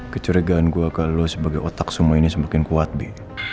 kecurigaan gue kalau lo sebagai otak semua ini semakin kuat b